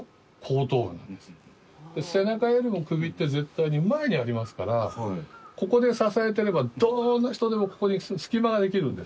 背中よりも首って絶対に前にありますからここで支えてればどんな人でもここに隙間ができるんです。